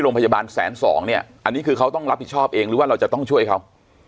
โรงพยาบาลแสนสองเนี่ยอันนี้คือเขาต้องรับผิดชอบเองหรือว่าเราจะต้องช่วยเขา